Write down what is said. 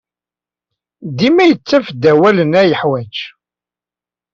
Dima yettaf-d awalen ay yeḥwaj.